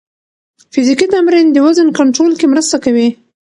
فزیکي تمرین د وزن کنټرول کې مرسته کوي.